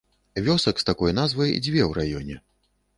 Вёсак з такой назвай дзве ў раёне.